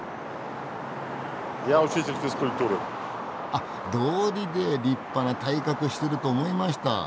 あっどうりで立派な体格してると思いました。